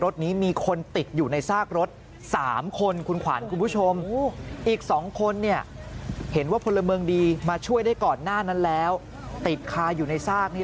ทุกคนดีมาช่วยได้ก่อนหน้านั้นแล้วติดคาอยู่ในซากนี้